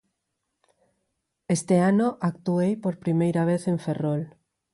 Este ano actuei por primeira vez en Ferrol.